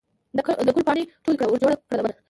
د ګلو پاڼې ټولې کړه ورجوړه کړه لمن